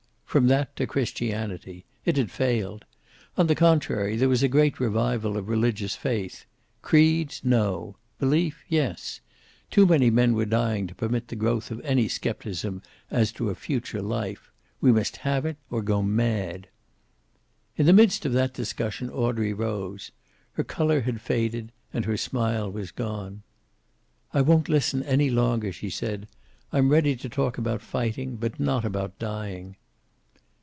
From that to Christianity. It had failed. On the contrary, there was a great revival of religious faith. Creeds, no. Belief, yes. Too many men were dying to permit the growth of any skepticism as to a future life. We must have it or go mad. In the midst of that discussion Audrey rose. Her color had faded, and her smile was gone. "I won't listen any longer," she said. "I'm ready to talk about fighting, but not about dying."